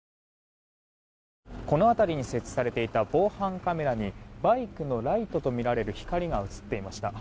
この辺りに設置されていた防犯カメラにバイクのライトとみられる光が映っていました。